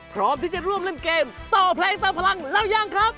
พร้อมที่จะร่วมเล่นเกมต่อเพลงเติมพลังแล้วยังครับ